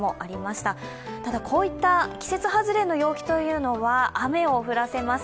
ただ、こういった季節外れの陽気は雨を降らせます。